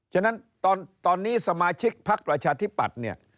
ฉะนั้นตอนนี้สมาชิกพักประชาธิปัตย์เนี่ย